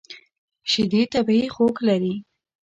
شیدې طبیعي خوږ لري.